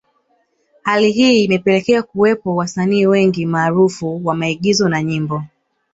Hali hii imepelekea kuwepo wasanii wengi maarufu wa maigizo na nyimbo